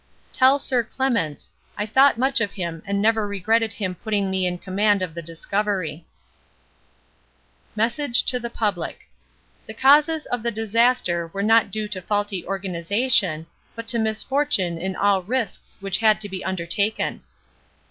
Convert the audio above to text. Tell Sir Clements I thought much of him and never regretted him putting me in command of the Discovery. Message to the Public The causes of the disaster are not due to faulty organisation, but to misfortune in all risks which had to be undertaken.